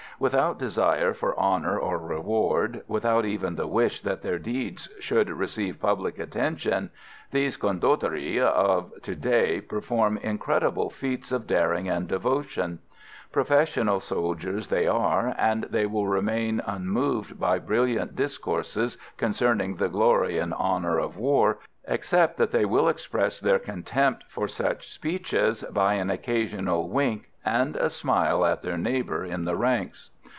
Without desire for honour or reward, without even the wish that their deeds should receive public attention, these condotieri of to day perform incredible feats of daring and devotion. Professional soldiers they are, and they will remain unmoved by brilliant discourses concerning the glory and honour of war, except that they will express their contempt for such speeches by an occasional wink and a smile at their neighbour in the ranks.